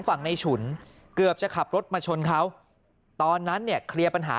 ฝั่งในฉุนเกือบจะขับรถมาชนเขาตอนนั้นเนี่ยเคลียร์ปัญหา